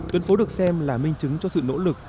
tuyến phố được xem là minh chứng cho sự nỗ lực